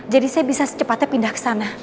saya bisa secepatnya pindah ke sana